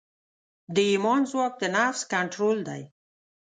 د ایمان ځواک د نفس کنټرول دی.